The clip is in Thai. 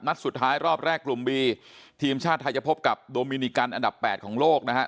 สุดท้ายรอบแรกกลุ่มบีทีมชาติไทยจะพบกับโดมินิกันอันดับแปดของโลกนะฮะ